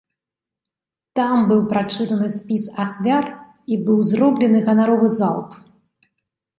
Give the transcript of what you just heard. Там быў прачытаны спіс ахвяр і быў зроблены ганаровы залп.